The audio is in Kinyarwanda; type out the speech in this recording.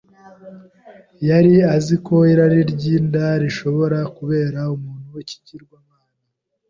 Yari azi ko irari ry’inda rishobora kubera umuntu ikigirwamana,